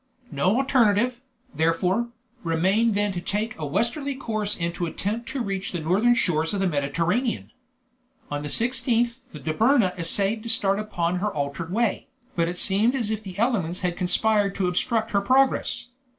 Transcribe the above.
No alternative, therefore, remained than to take a westerly course and to attempt to reach the northern shores of the Mediterranean. On the 16th the Dobryna essayed to start upon her altered way, but it seemed as if the elements had conspired to obstruct her progress.